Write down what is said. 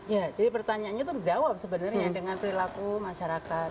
ya jadi pertanyaannya terjawab sebenarnya dengan perilaku masyarakat